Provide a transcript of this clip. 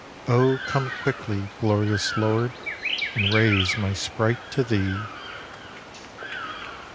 O come quickly, glorious Lord, and raise my sprite to Thee!